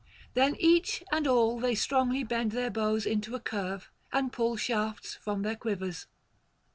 Then each and all they strongly bend their bows into a curve and pull shafts from their quivers.